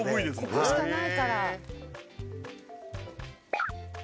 ここしかないから。